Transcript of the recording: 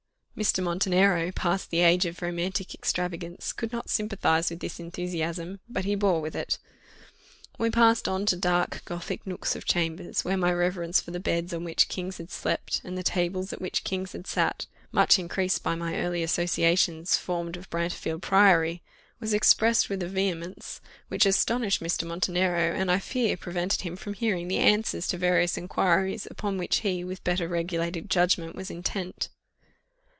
Mr. Montenero, past the age of romantic extravagance, could not sympathize with this enthusiasm, but he bore with it. We passed on to dark Gothic nooks of chambers, where my reverence for the beds on which kings had slept, and the tables at which kings had sat, much increased by my early associations formed of Brantefield Priory, was expressed with a vehemence which astonished Mr. Montenero; and, I fear, prevented him from hearing the answers to various inquiries, upon which he, with better regulated judgment, was intent.